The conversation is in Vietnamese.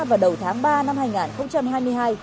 vào đầu tháng ba năm hai nghìn hai mươi hai